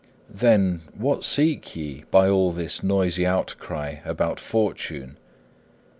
'Then, what seek ye by all this noisy outcry about fortune?